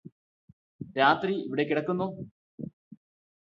രാത്രി ഇവിടെ കിടക്കുന്നോ